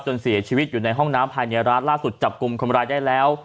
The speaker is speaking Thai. เสียชีวิตอยู่ในห้องน้ำภายในร้านล่าสุดจับกลุ่มคนร้ายได้แล้ว